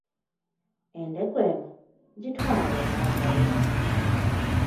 Endeku eno, gitwale, omwagalwa!